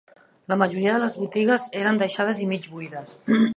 La majoria de les botigues eren deixades i mig buides.